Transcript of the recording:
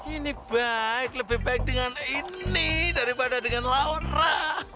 ini baik lebih baik dengan ini daripada dengan laura